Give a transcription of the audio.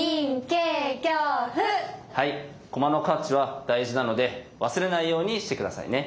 はい駒の価値は大事なので忘れないようにして下さいね。